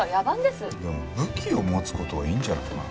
でも武器を持つ事はいいんじゃないかな。